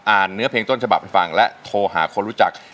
เนื้อเพลงต้นฉบับให้ฟังและโทรหาคนรู้จัก